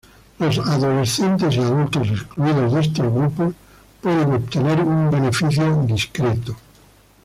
Los adolescentes y adultos, excluidos esos grupos, pueden obtener un beneficio discreto.